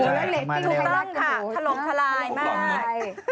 ถูกต้องค่ะถลงทะลายมาก